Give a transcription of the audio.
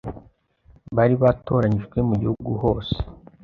bari batoranyijwe mu gihugu hose